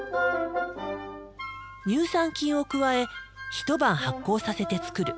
乳酸菌を加え一晩発酵させて作る。